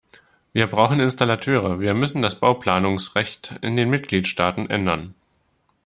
Wir brauchen Installateure, wir müssen das Bauplanungsrecht in den Mitgliedstaaten ändern.